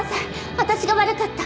私が悪かった。